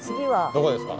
どこですか？